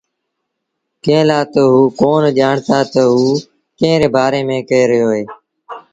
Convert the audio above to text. ڪݩهݩ لآ تا اوٚ ڪون ڄآڻتآ تا اوٚ ڪݩهݩ ري بآري ميݩ ڪهي رهيو اهي۔